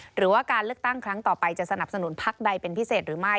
หรือว่าการเลือกตั้งครั้งต่อไปจะสนับสนุนพักใดเป็นพิเศษหรือไม่